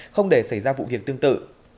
không để xảy ra vụ việc tương tự